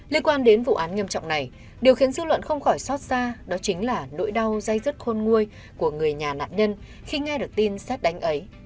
liên quan đến vụ án nghiêm trọng này điều khiến dư luận không khỏi xót xa đó chính là nỗi đau dây dứt khôn nguôi của người nhà nạn nhân khi nghe được tin xét đánh ấy